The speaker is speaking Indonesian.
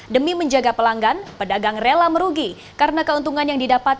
demi menjaga pelanggan pedagang rela merugi karena keuntungan yang didapat